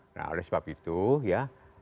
nah oleh sebab itu ya